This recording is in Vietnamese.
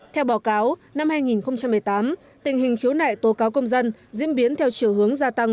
theo báo cáo năm hai nghìn một mươi tám tình hình khiếu nại tố cáo công dân diễn biến theo chiều hướng gia tăng